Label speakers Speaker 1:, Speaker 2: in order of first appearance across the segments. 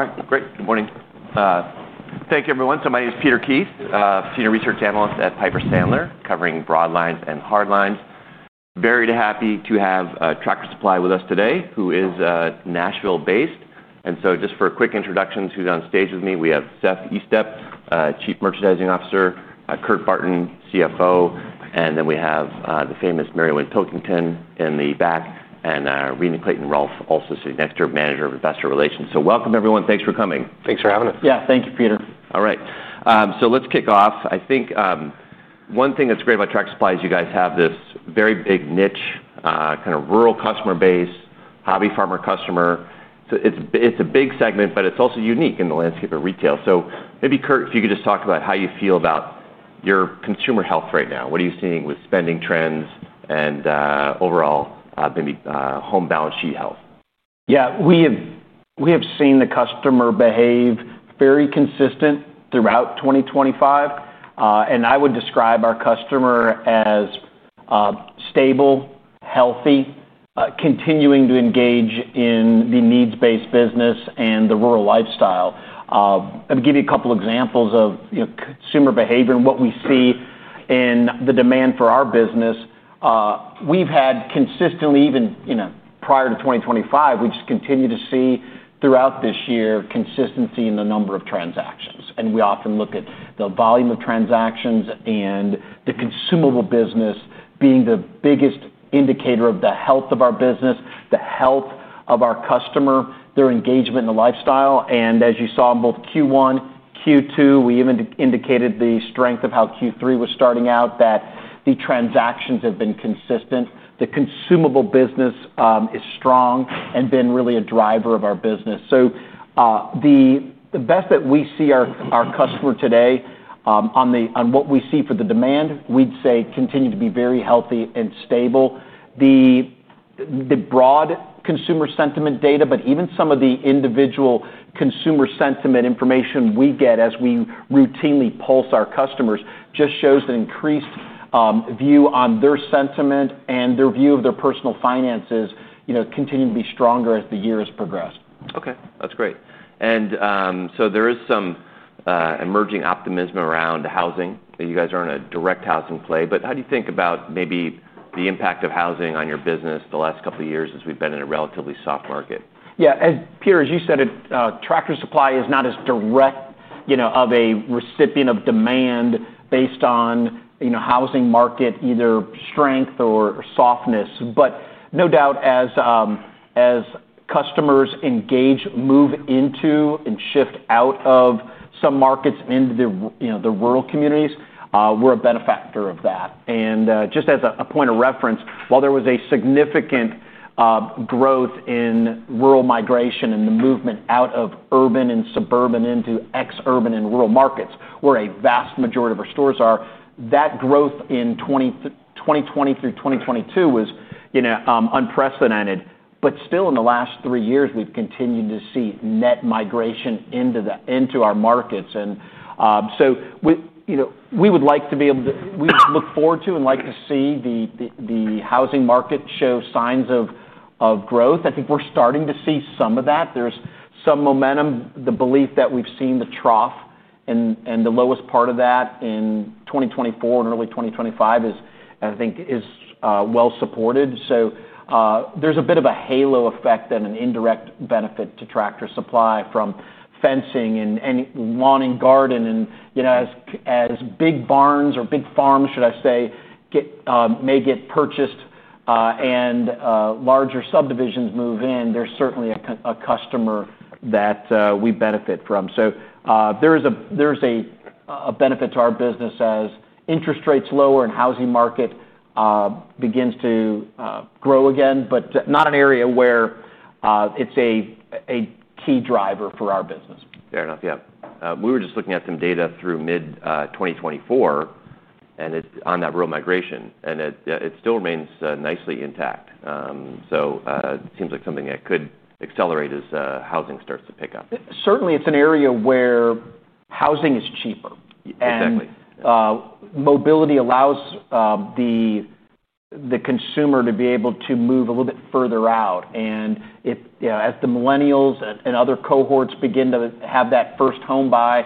Speaker 1: All right, great. Good morning. Thank you, everyone. My name is Peter Keith, Senior Research Analyst at Piper Sandler, covering broad lines and hard lines. Very happy to have Tractor Supply Company with us today, who is Nashville-based. Just for quick introductions, who's on stage with me, we have Seth Estep, Chief Merchandising Officer, Kurt Barton, CFO. We have the famous Mary Winn Pilkington in the back, and Rena Clayton-Rolfe also sitting next to her, Manager of Investor Relations. Welcome, everyone. Thanks for coming. Thanks for having us. Yeah, thank you, Peter. All right, let's kick off. I think one thing that's great about Tractor Supply Company is you guys have this very big niche, kind of rural customer base, hobby farmer customer. It's a big segment, but it's also unique in the landscape of retail. Kurt, if you could just talk about how you feel about your consumer health right now. What are you seeing with spending trends and overall maybe home balance sheet health?
Speaker 2: Yeah, we have seen the customer behave very consistent throughout 2025. I would describe our customer as stable, healthy, continuing to engage in the needs-based business and the rural lifestyle. I'll give you a couple of examples of consumer behavior and what we see in the demand for our business. We've had consistently, even prior to 2025, we just continue to see throughout this year consistency in the number of transactions. We often look at the volume of transactions and the consumable business being the biggest indicator of the health of our business, the health of our customer, their engagement in the lifestyle. As you saw in both Q1, Q2, we even indicated the strength of how Q3 was starting out, that the transactions have been consistent. The consumable business is strong and been really a driver of our business. The best that we see our customer today on what we see for the demand, we'd say continue to be very healthy and stable. The broad consumer sentiment data, but even some of the individual consumer sentiment information we get as we routinely pulse our customers just shows an increased view on their sentiment and their view of their personal finances continuing to be stronger as the year has progressed.
Speaker 1: OK, that's great. There is some emerging optimism around housing. You guys aren't a direct housing play, but how do you think about maybe the impact of housing on your business the last couple of years as we've been in a relatively soft market?
Speaker 2: Yeah, as Peter, as you said, Tractor Supply Company is not as direct of a recipient of demand based on housing market either strength or softness. No doubt, as customers engage, move into and shift out of some markets and into the rural communities, we're a benefactor of that. Just as a point of reference, while there was a significant growth in rural migration and the movement out of urban and suburban into ex-urban and rural markets, where a vast majority of our stores are, that growth in 2020 through 2022 was unprecedented. Still, in the last three years, we've continued to see net migration into our markets. We would like to be able to, we look forward to and like to see the housing market show signs of growth. I think we're starting to see some of that. There's some momentum. The belief that we've seen the trough and the lowest part of that in 2024 and early 2025 is, I think, well supported. There's a bit of a halo effect and an indirect benefit to Tractor Supply Company from fencing and lawn and garden. As big barns or big farms, should I say, may get purchased and larger subdivisions move in, there's certainly a customer that we benefit from. There's a benefit to our business as interest rates lower and the housing market begins to grow again, but not an area where it's a key driver for our business.
Speaker 1: Fair enough, yeah. We were just looking at some data through mid-2024, and it's on that rural migration, and it still remains nicely intact. It seems like something that could accelerate as housing starts to pick up.
Speaker 2: Certainly, it's an area where housing is cheaper.
Speaker 1: Exactly.
Speaker 2: Mobility allows the consumer to be able to move a little bit further out. As the Millennials and other cohorts begin to have that first home buy,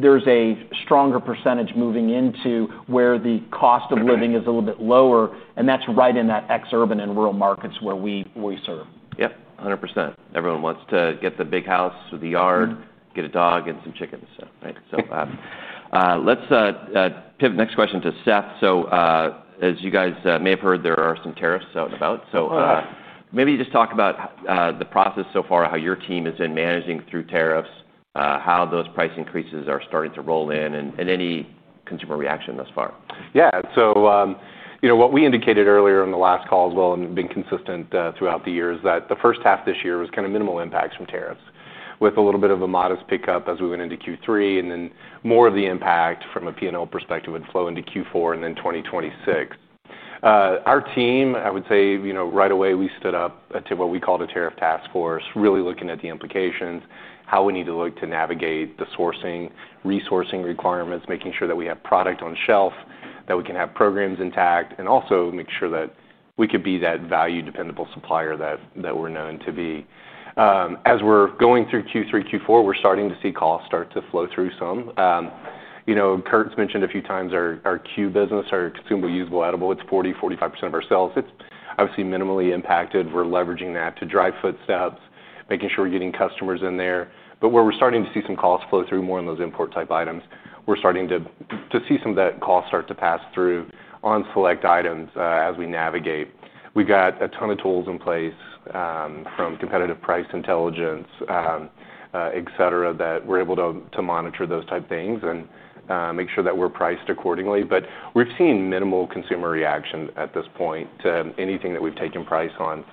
Speaker 2: there's a stronger % moving into where the cost of living is a little bit lower. That's right in that ex-urban and rural markets where we serve.
Speaker 1: Yeah, 100%. Everyone wants to get the big house with the yard, get a dog, and some chickens. Let's pivot to the next question for Seth. As you guys may have heard, there are some tariffs out and about. Maybe you just talk about the process so far, how your team has been managing through tariffs, how those price increases are starting to roll in, and any consumer reaction thus far.
Speaker 3: Yeah, so what we indicated earlier in the last call as well, and been consistent throughout the years, is that the first half this year was kind of minimal impacts from tariffs, with a little bit of a modest pickup as we went into Q3, and then more of the impact from a P&L perspective would flow into Q4 and then 2026. Our team, I would say right away, we stood up to what we called a tariff task force, really looking at the implications, how we need to look to navigate the sourcing, resourcing requirements, making sure that we have product on shelf, that we can have programs intact, and also make sure that we could be that value dependable supplier that we're known to be. As we're going through Q3, Q4, we're starting to see costs start to flow through some. Kurt's mentioned a few times our Q business, our consumable usable edible, it's 40-45% of our sales. It's obviously minimally impacted. We're leveraging that to drive footsteps, making sure we're getting customers in there. Where we're starting to see some costs flow through more in those import-type items, we're starting to see some of that cost start to pass through on select items as we navigate. We've got a ton of tools in place from competitive price intelligence, et cetera, that we're able to monitor those type things and make sure that we're priced accordingly. We've seen minimal consumer reaction at this point to anything that we've taken price on.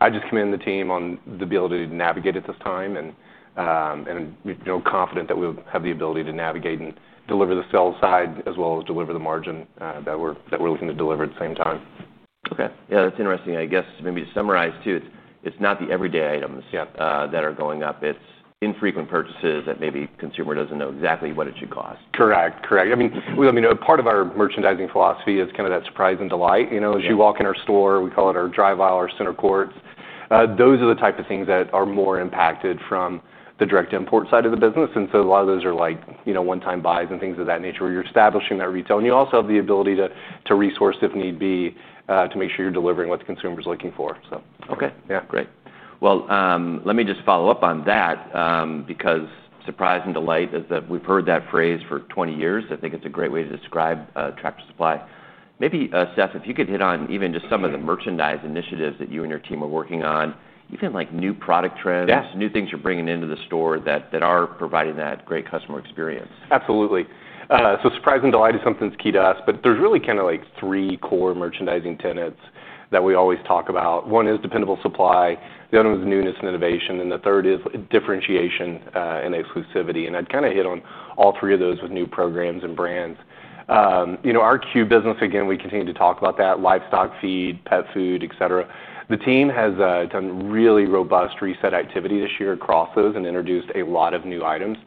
Speaker 3: I just commend the team on the ability to navigate at this time, and I'm confident that we'll have the ability to navigate and deliver the sell side as well as deliver the margin that we're looking to deliver at the same time.
Speaker 1: OK, yeah, that's interesting. I guess maybe to summarize too, it's not the everyday items that are going up. It's infrequent purchases that maybe the consumer doesn't know exactly what it should cost.
Speaker 3: Correct, correct. I mean, part of our merchandising philosophy is kind of that surprise and delight. As you walk in our store, we call it our drive aisle or center courts. Those are the types of things that are more impacted from the direct import side of the business. A lot of those are like one-time buys and things of that nature where you're establishing that retail. You also have the ability to resource if need be to make sure you're delivering what the consumer is looking for.
Speaker 1: OK, yeah, great. Let me just follow up on that because surprise and delight is that we've heard that phrase for 20 years. I think it's a great way to describe Tractor Supply. Maybe, Seth, if you could hit on even just some of the merchandise initiatives that you and your team are working on, even like new product trends, new things you're bringing into the store that are providing that great customer experience.
Speaker 3: Absolutely. Surprise and delight is something that's key to us. There are really kind of like three core merchandising tenets that we always talk about. One is dependable supply. The other one is newness and innovation. The third is differentiation and exclusivity. I'd kind of hit on all three of those with new programs and brands. Our Q business, again, we continue to talk about that, livestock feed, pet food, et cetera. The team has done really robust reset activity this year across those and introduced a lot of new items.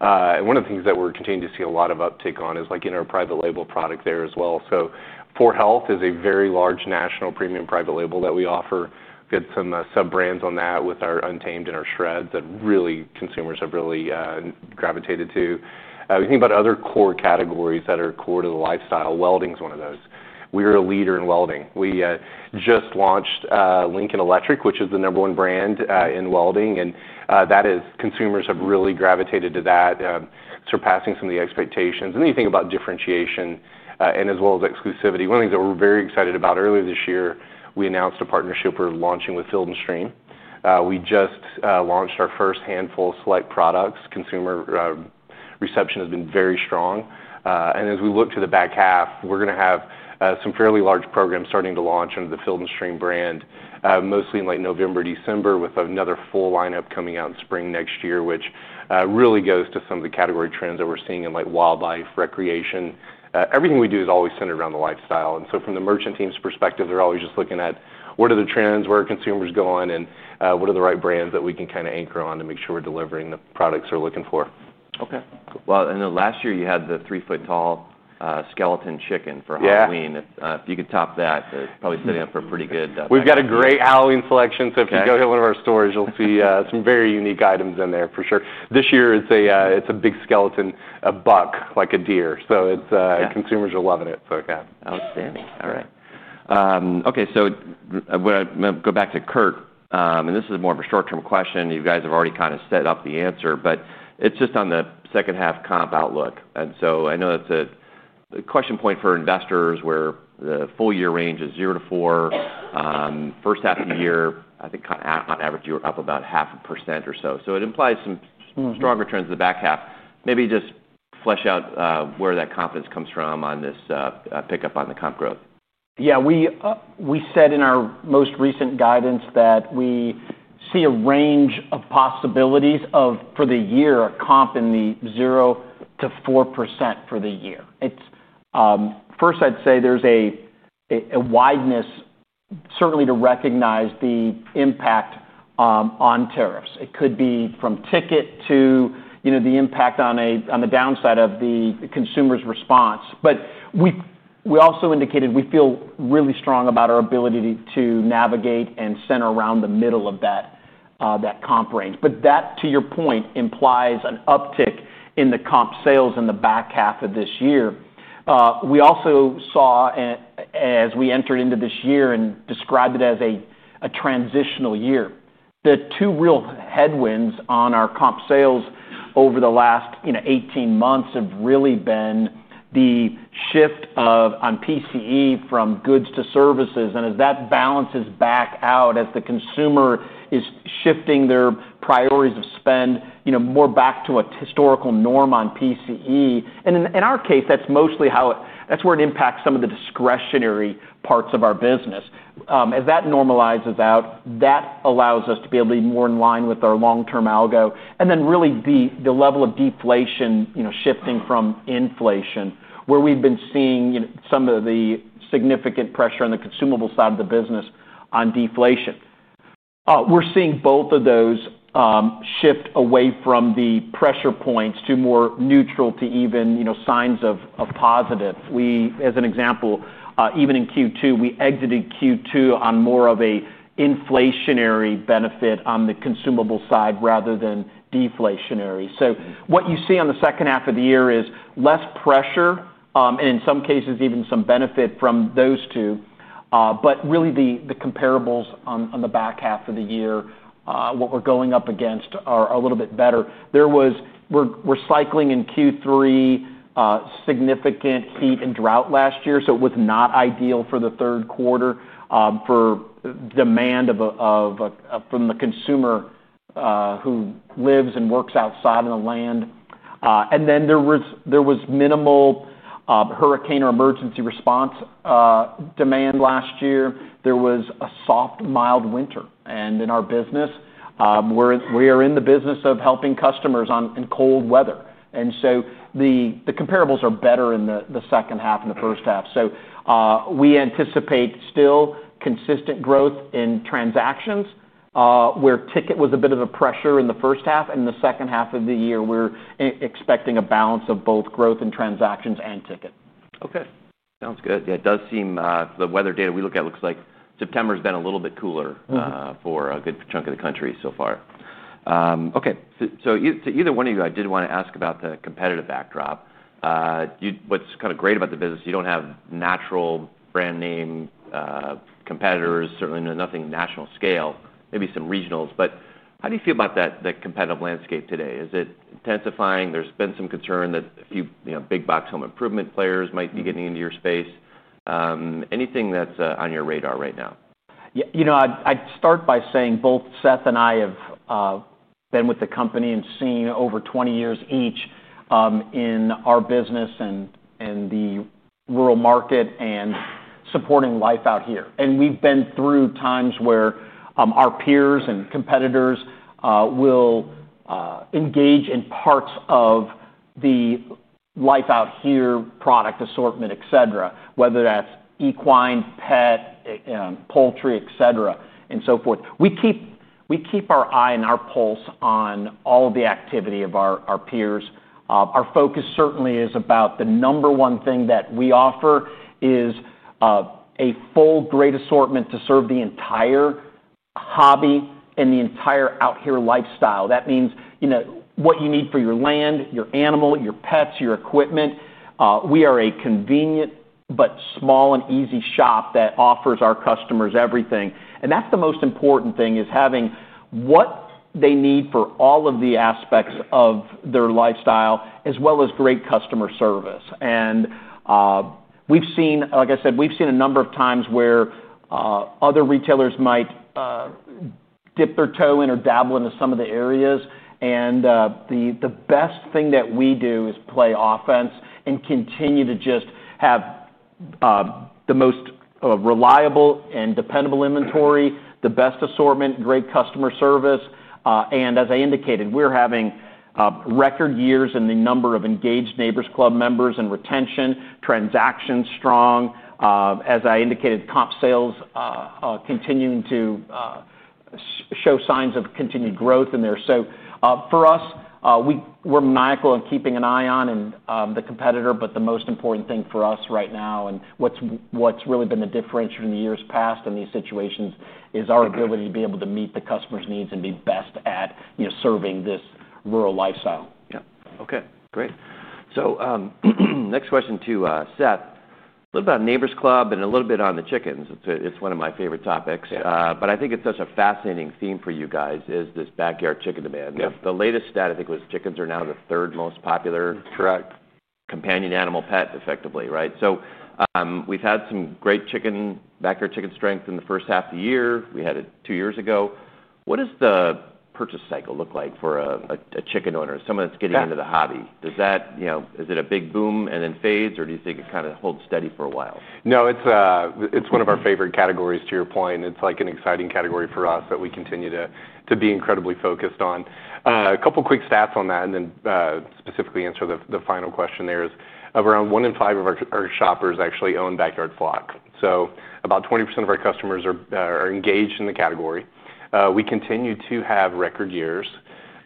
Speaker 3: One of the things that we're continuing to see a lot of uptake on is in our private label product there as well. 4Health is a very large national premium private label that we offer. We've got some sub-brands on that with our Untamed and our Shreds that consumers have really gravitated to. We think about other core categories that are core to the lifestyle. Welding is one of those. We are a leader in welding. We just launched Lincoln Electric, which is the number one brand in welding. Consumers have really gravitated to that, surpassing some of the expectations. You think about differentiation as well as exclusivity. One of the things that we're very excited about, earlier this year, we announced a partnership we're launching with Field & Stream. We just launched our first handful of select products. Consumer reception has been very strong. As we look to the back half, we're going to have some fairly large programs starting to launch under the Field & Stream brand, mostly in November, December, with another full lineup coming out in spring next year, which really goes to some of the category trends that we're seeing in wildlife, recreation. Everything we do is always centered around the lifestyle. From the merchant team's perspective, they're always just looking at what are the trends, where are consumers going, and what are the right brands that we can kind of anchor on to make sure we're delivering the products they're looking for.
Speaker 1: OK, I know last year you had the three-foot tall skeleton chicken for Halloween. If you could top that, it's probably sitting up for a pretty good.
Speaker 3: We've got a great Halloween selection. If you go to one of our stores, you'll see some very unique items in there for sure. This year, it's a big skeleton, a buck, like a deer. Consumers are loving it.
Speaker 1: Outstanding. All right. OK, I'm going to go back to Kurt. This is more of a short-term question. You guys have already kind of set up the answer. It's just on the second half comp outlook. I know that's a question point for investors where the full year range is 0% to 4%. First half of the year, I think kind of on average, you're up about 0.5% or so. It implies some stronger trends in the back half. Maybe just flesh out where that confidence comes from on this pickup on the comp growth.
Speaker 2: Yeah, we said in our most recent guidance that we see a range of possibilities for the year, a comp in the 0% to 4% for the year. First, I'd say there's a wideness certainly to recognize the impact on tariffs. It could be from ticket to the impact on the downside of the consumer's response. We also indicated we feel really strong about our ability to navigate and center around the middle of that comp range. That, to your point, implies an uptick in the comp sales in the back half of this year. We also saw, as we entered into this year and described it as a transitional year, the two real headwinds on our comp sales over the last 18 months have really been the shift on PCE from goods to services. As that balances back out, as the consumer is shifting their priorities of spend more back to a historical norm on PCE, and in our case, that's mostly how it, that's where it impacts some of the discretionary parts of our business. As that normalizes out, that allows us to be able to be more in line with our long-term algo. Then really the level of deflation shifting from inflation, where we've been seeing some of the significant pressure on the consumable side of the business on deflation. We're seeing both of those shift away from the pressure points to more neutral to even signs of positives. We, as an example, even in Q2, we exited Q2 on more of an inflationary benefit on the consumable side rather than deflationary. What you see on the second half of the year is less pressure, and in some cases, even some benefit from those two. Really, the comparables on the back half of the year, what we're going up against are a little bit better. We are cycling in Q3 significant heat and drought last year. It was not ideal for the third quarter for demand from the consumer who lives and works outside of the land. There was minimal hurricane or emergency response demand last year. There was a soft, mild winter. In our business, we are in the business of helping customers in cold weather. The comparables are better in the second half than the first half. We anticipate still consistent growth in transactions, where ticket was a bit of a pressure in the first half. In the second half of the year, we're expecting a balance of both growth in transactions and ticket.
Speaker 1: OK, sounds good. It does seem the weather data we look at looks like September has been a little bit cooler for a good chunk of the country so far. To either one of you, I did want to ask about the competitive backdrop. What's kind of great about the business, you don't have natural brand name competitors, certainly nothing national scale, maybe some regionals. How do you feel about that competitive landscape today? Is it intensifying? There's been some concern that a few big box home improvement players might be getting into your space. Anything that's on your radar right now?
Speaker 2: Yeah, you know, I'd start by saying both Seth and I have been with the company and seen over 20 years each in our business and the rural market and supporting Life Out Here. We've been through times where our peers and competitors will engage in parts of the Life Out Here product assortment, et cetera, whether that's equine, pet, poultry, et cetera, and so forth. We keep our eye and our pulse on all of the activity of our peers. Our focus certainly is about the number one thing that we offer, which is a full, great assortment to serve the entire hobby and the entire out-here lifestyle. That means what you need for your land, your animal, your pets, your equipment. We are a convenient but small and easy shop that offers our customers everything. That's the most important thing, having what they need for all of the aspects of their lifestyle, as well as great customer service. We've seen, like I said, we've seen a number of times where other retailers might dip their toe in or dabble into some of the areas. The best thing that we do is play offense and continue to just have the most reliable and dependable inventory, the best assortment, great customer service. As I indicated, we're having record years in the number of engaged Neighbor's Club members and retention, transactions strong. As I indicated, comp sales continuing to show signs of continued growth in there. For us, we're maniacal in keeping an eye on the competitor. The most important thing for us right now, and what's really been the differentiator in the years past in these situations, is our ability to be able to meet the customer's needs and be best at serving this rural lifestyle.
Speaker 1: Yeah, OK, great. Next question to Seth. What about Neighbor's Club and a little bit on the chickens? It's one of my favorite topics. I think it's such a fascinating theme for you guys is this backyard chicken demand. The latest stat, I think, was chickens are now the third most popular companion animal pet effectively, right? We've had some great backyard chicken strength in the first half of the year. We had it two years ago. What does the purchase cycle look like for a chicken owner, someone that's getting into the hobby? Is it a big boom and then fades, or do you think it kind of holds steady for a while?
Speaker 3: No, it's one of our favorite categories to your point. It's like an exciting category for us that we continue to be incredibly focused on. A couple of quick stats on that, and then specifically answer the final question there is, of around one in five of our shoppers actually own backyard flock. So about 20% of our customers are engaged in the category. We continue to have record years.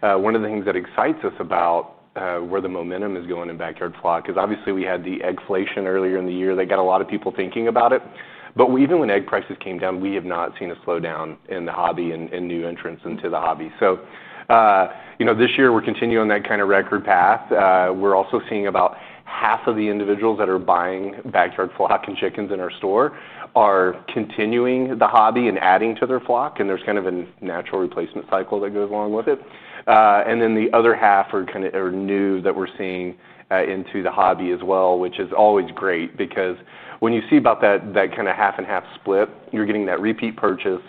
Speaker 3: One of the things that excites us about where the momentum is going in backyard flock is obviously we had the eggflation earlier in the year. That got a lot of people thinking about it. Even when egg prices came down, we have not seen a slowdown in the hobby and new entrants into the hobby. This year, we're continuing on that kind of record path. We're also seeing about half of the individuals that are buying backyard flock and chickens in our store are continuing the hobby and adding to their flock. There's kind of a natural replacement cycle that goes along with it. The other half are kind of new that we're seeing into the hobby as well, which is always great because when you see about that kind of half and half split, you're getting that repeat purchase.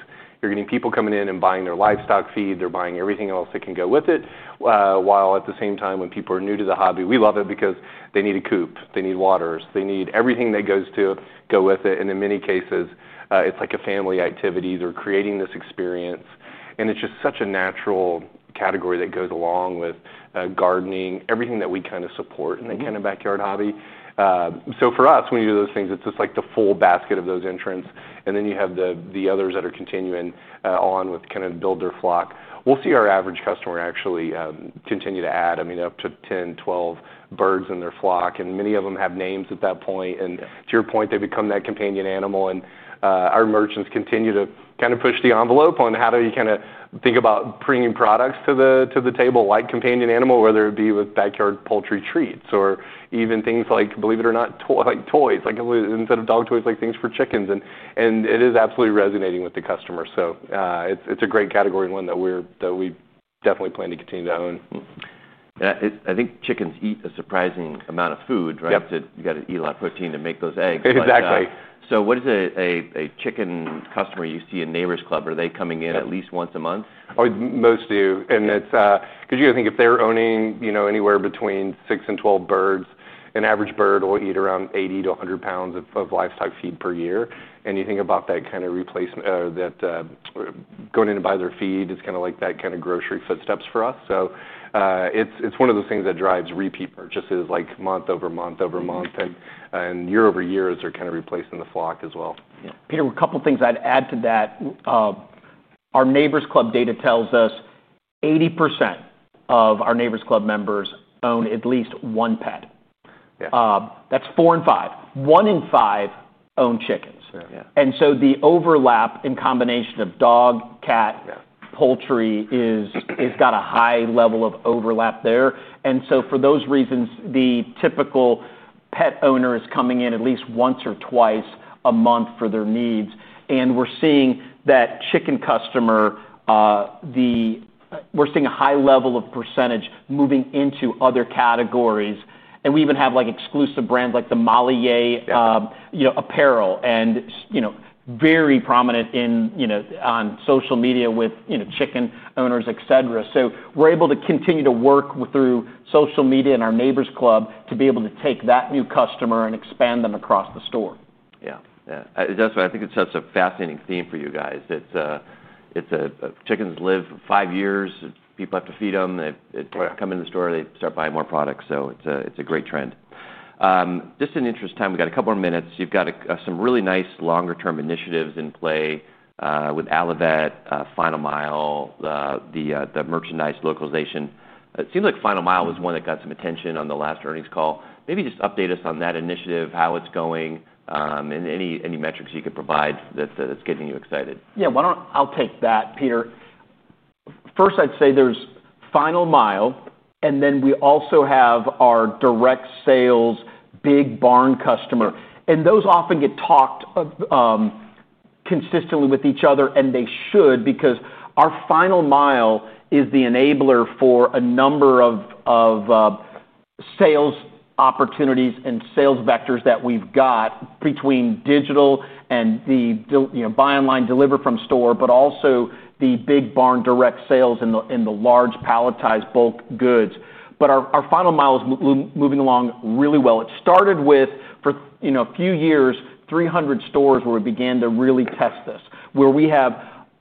Speaker 3: You're getting people coming in and buying their livestock feed. They're buying everything else that can go with it. While at the same time, when people are new to the hobby, we love it because they need a coop. They need waters. They need everything that goes to go with it. In many cases, it's like a family activity. They're creating this experience. It's just such a natural category that goes along with gardening, everything that we kind of support in that kind of backyard hobby. For us, when you do those things, it's just like the full basket of those entrants. You have the others that are continuing on with kind of build their flock. We'll see our average customer actually continue to add, I mean, up to 10, 12 birds in their flock. Many of them have names at that point. To your point, they become that companion animal. Our merchants continue to kind of push the envelope on how do you kind of think about bringing products to the table like companion animal, whether it be with backyard poultry treats or even things like, believe it or not, toys, like instead of dog toys, like things for chickens. It is absolutely resonating with the customers. It's a great category and one that we definitely plan to continue to own.
Speaker 1: I think chickens eat a surprising amount of food, right? You've got to eat a lot of protein to make those eggs.
Speaker 2: Exactly.
Speaker 1: What is a chicken customer you see in Neighbor's Club? Are they coming in at least once a month?
Speaker 3: Most do. It's because you got to think if they're owning anywhere between 6 and 12 birds, an average bird will eat around 80 to 100 pounds of livestock feed per year. You think about that kind of replacement, or that going in to buy their feed, it's kind of like that kind of grocery footsteps for us. It is one of those things that drives repeat purchases like month over month over month and year over year, as they're kind of replacing the flock as well.
Speaker 2: Peter, a couple of things I'd add to that. Our Neighbor's Club data tells us 80% of our Neighbor's Club members own at least one pet. That's four in five. One in five own chickens. The overlap in combination of dog, cat, poultry has got a high level of overlap there. For those reasons, the typical pet owner is coming in at least once or twice a month for their needs. We're seeing that chicken customer, we're seeing a high level of percentage moving into other categories. We even have exclusive brands like the Moliere apparel and very prominent on social media with chicken owners, et cetera. We're able to continue to work through social media and our Neighbor's Club to be able to take that new customer and expand them across the store.
Speaker 1: Yeah, yeah, I think it's such a fascinating theme for you guys. Chickens live five years. People have to feed them. They come in the store, they start buying more products. It's a great trend. Just in interest of time, we've got a couple more minutes. You've got some really nice longer-term initiatives in play with Allivet, Final Mile, the merchandise localization. It seems like Final Mile was one that got some attention on the last earnings call. Maybe just update us on that initiative, how it's going, and any metrics you could provide that's getting you excited.
Speaker 2: Yeah, I'll take that, Peter. First, I'd say there's Final Mile. We also have our direct sales big barn customer. Those often get talked consistently with each other, and they should because our Final Mile is the enabler for a number of sales opportunities and sales vectors that we've got between digital and the buy online, deliver from store, but also the big barn direct sales in the large palletized bulk goods. Our Final Mile is moving along really well. It started with, for a few years, 300 stores where we began to really test this, where we have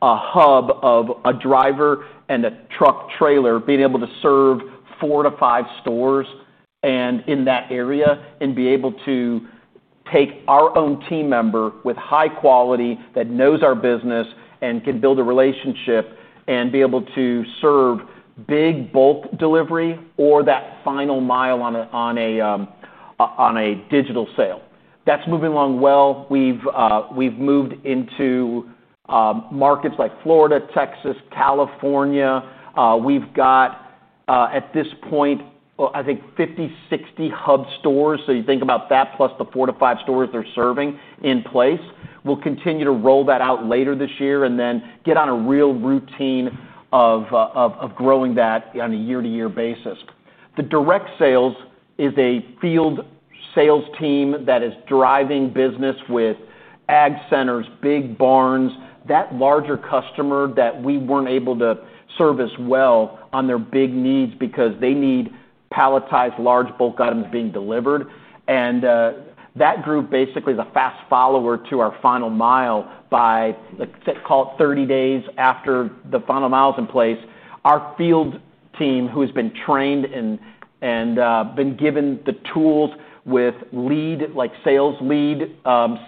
Speaker 2: a hub of a driver and a truck trailer being able to serve four to five stores in that area and be able to take our own team member with high quality that knows our business and can build a relationship and be able to serve big bulk delivery or that final mile on a digital sale. That's moving along well. We've moved into markets like Florida, Texas, California. We've got, at this point, I think 50, 60 hub stores. You think about that plus the four to five stores they're serving in place. We'll continue to roll that out later this year and then get on a real routine of growing that on a year-to-year basis. The direct sales is a field sales team that is driving business with ag centers, big barns, that larger customer that we weren't able to service well on their big needs because they need palletized large bulk items being delivered. That group basically is a fast follower to our Final Mile by, call it, 30 days after the Final Mile is in place. Our field team, who has been trained and been given the tools with lead, like sales lead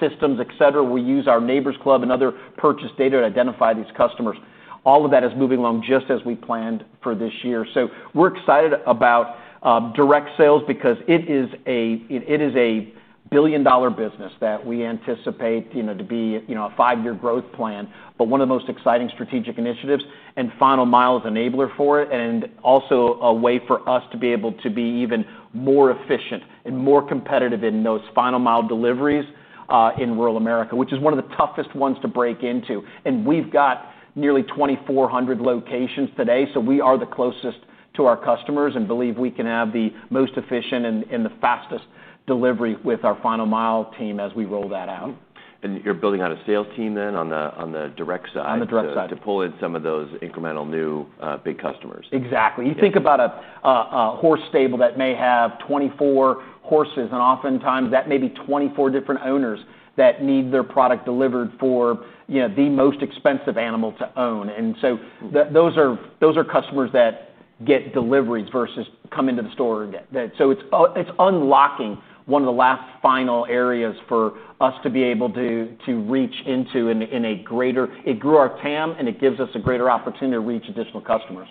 Speaker 2: systems, et cetera, will use our Neighbor's Club and other purchase data to identify these customers. All of that is moving along just as we planned for this year. We're excited about direct sales because it is a billion-dollar business that we anticipate to be a five-year growth plan. One of the most exciting strategic initiatives, and Final Mile is an enabler for it, is also a way for us to be able to be even more efficient and more competitive in those Final Mile deliveries in rural America, which is one of the toughest ones to break into. We've got nearly 2,400 locations today. We are the closest to our customers and believe we can have the most efficient and the fastest delivery with our Final Mile team as we roll that out.
Speaker 1: You are building out a sales team on the direct side to pull in some of those incremental new big customers.
Speaker 2: Exactly. You think about a horse stable that may have 24 horses. Oftentimes, that may be 24 different owners that need their product delivered for the most expensive animal to own. Those are customers that get deliveries versus come into the store and get that. It's unlocking one of the last final areas for us to be able to reach into in a greater, it grew our total addressable market, and it gives us a greater opportunity to reach additional customers.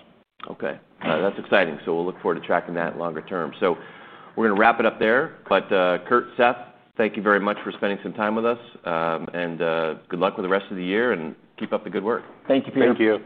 Speaker 1: OK, that's exciting. We'll look forward to tracking that longer term. We're going to wrap it up there. Kurt, Seth, thank you very much for spending some time with us. Good luck with the rest of the year, and keep up the good work.
Speaker 2: Thank you, Peter.
Speaker 3: Thank you.